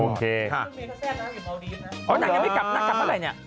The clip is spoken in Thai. นักกลับอะไรเนี่ย